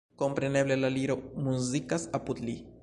Kompreneble la Liro muzikas apud li.